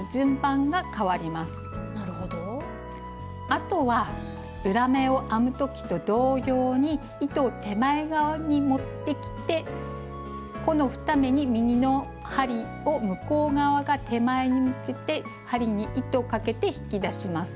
あとは裏目を編む時と同様に糸を手前側に持ってきてこの２目に右の針を向こう側から手前に向けて針に糸をかけて引き出します。